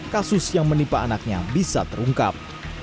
kasus yang menimpa anaknya bisa terungkap